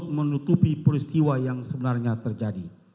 kita harus membuatnya